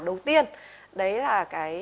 đầu tiên đấy là